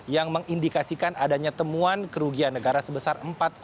yang mengindikasikan adanya temuan kerugian negara sebesar empat lima